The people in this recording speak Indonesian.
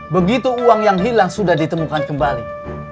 begitu uang yang hilang sudah ditemukan kembali